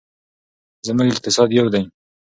زموږ اقتصاد یو دی.